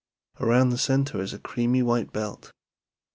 Around the center is a creamy white belt.